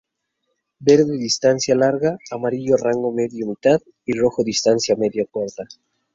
Verde distancia medio larga, amarillo rango medio mitad y rojo distancia medio corta.